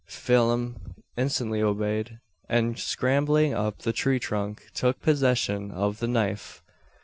Phelim instantly obeyed; and, scrambling up the tree trunk took possession of the knife.